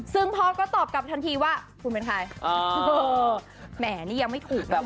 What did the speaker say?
ซึ่งพ่อก็ตอบกลับทันทีว่าผู้เป็นใคร